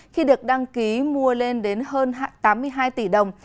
khi được đăng ký mua lên đến hơn tám mươi hai tỷ đồng